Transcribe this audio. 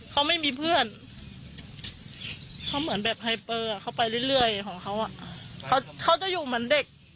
เขาไม่มีเพื่อนเขาเหมือนแบบไฮเปอร์เขาไปเรื่อยของเขาเขาจะอยู่เหมือนเด็ก